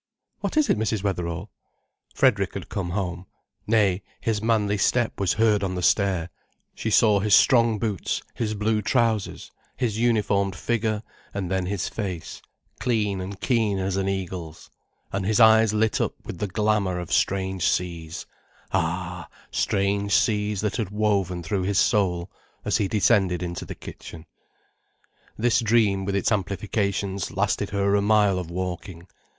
"What is it, Mrs. Wetherall?" Frederick had come home. Nay, his manly step was heard on the stair, she saw his strong boots, his blue trousers, his uniformed figure, and then his face, clean and keen as an eagle's, and his eyes lit up with the glamour of strange seas, ah, strange seas that had woven through his soul, as he descended into the kitchen. This dream, with its amplifications, lasted her a mile of walking.